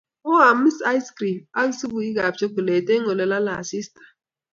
om ais krim ak supukab chokolet eng ole lolei asista?